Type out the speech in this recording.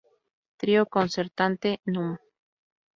Trío concertante núm.